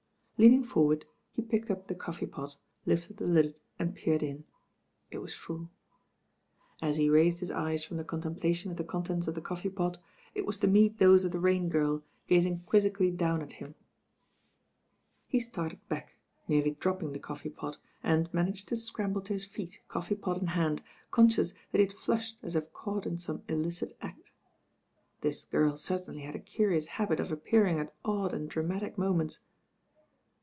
Leaning forward, he picked up the coffee pot, lifted the lid and peered in. It was full. As he raised his eyes from the contemplation of the contents of the coffee pot, it was to meet those Of the Rain Girl gazing quizzicaUy down at him. «THE TWO DRAGONS" 88 He started back, nearly dropping the coffee pot, and managed to scramble to his feet, coffee pot in hand» conscious that he had flushed as if caught in some illicit act. This girl certainly had a curious habit of appearing at odd and dramatis moments.